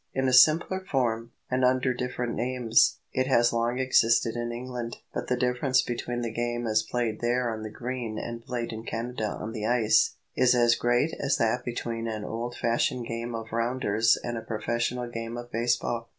In a simpler form, and under different names, it has long existed in England; but the difference between the game as played there on the green and played in Canada on the ice, is as great as that between an old fashioned game of rounders and a professional game of base ball.